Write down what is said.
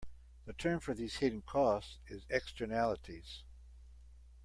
The term for these hidden costs is "Externalities".